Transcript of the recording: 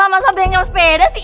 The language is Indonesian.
masa bengkel sepeda sih